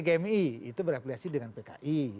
ada cgmi itu berapliasi dengan pki